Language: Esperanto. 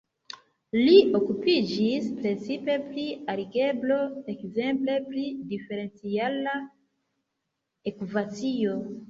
Li okupiĝis precipe pri algebro, ekzemple pri diferenciala ekvacio.